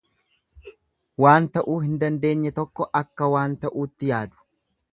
Waan ta'uu hin dandeenye tokko akka waan ta'uutti yaadu.